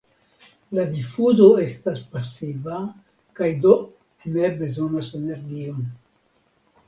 La difuzo estas pasiva kaj do ne bezonas energion.